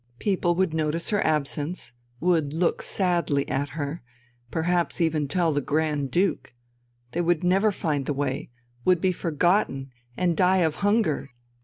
People would notice her absence, would "look sadly" at her, perhaps even tell the Grand Duke; they would never find the way, would be forgotten and die of hunger.